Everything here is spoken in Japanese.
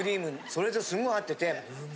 それですごい合ってて。